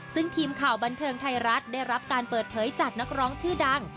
ซึ่งทีมข่าวบันเทิงไทยรัฐได้รับการเปิดเผยจากนักร้องชื่อดัง